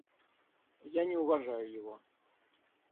Я не уважаю его.